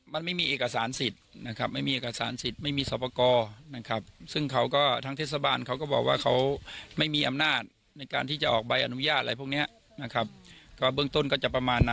มันไม่มีเอกสารสิทธิ์นะครับไม่มีเอกสารสิทธิ์ไม่มีสอบประกอบนะครับซึ่งเขาก็ทางเทศบาลเขาก็บอกว่าเขาไม่มีอำนาจในการที่จะออกใบอนุญาตอะไรพวกเนี้ยนะครับก็เบื้องต้นก็จะประมาณนะ